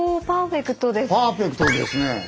パーフェクトですね！